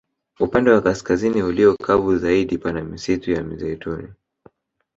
Upande wa kaskazini ulio kavu zaidi pana misitu ya mizeituni